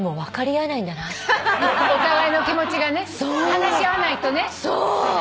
話し合わないと。